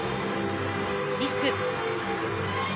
リスク。